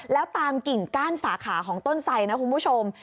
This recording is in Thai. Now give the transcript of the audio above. แล้วตามกิ่งก้านสาขาของต้นไสนะคุณผู้ชม